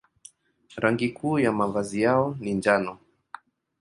Rangi kuu ya mavazi yao ni njano.